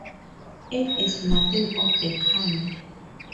It is nothing of the kind.